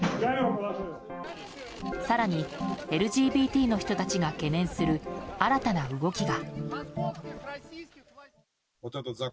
更にＬＧＢＴの人たちが懸念する新たな動きが。